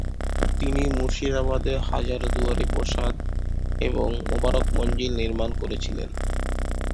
তিনি মুর্শিদাবাদে হাজার দুয়ারী প্রাসাদ এবং মোবারক মঞ্জিল নির্মাণ করেছিলেন।